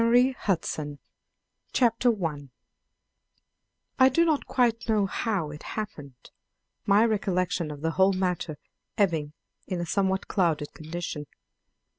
A CRYSTAL AGE Chapter 1 I do not quite know how it happened, my recollection of the whole matter ebbing in a somewhat clouded condition.